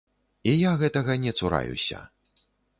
І я гэтага не цураюся.